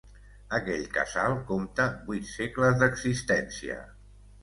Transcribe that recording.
Aquell casal compta vuit segles d'existència.